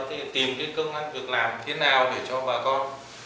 thì tìm cái cơ ngăn việc làm thế nào để cho bà con